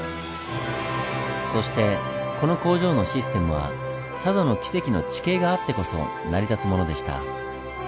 そしてこの工場のシステムは佐渡のキセキの地形があってこそ成り立つものでした。